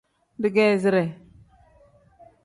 Digeezire.